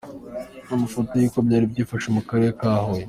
Amafoto y’uko byari byifashe mu karere ka Huye.